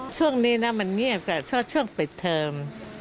ช่วงนี้นะมันเงียบแต่ถ้าช่วงปิดเทอม